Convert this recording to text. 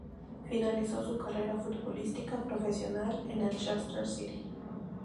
Finalizó su carrera futbolística profesional en el Chester City.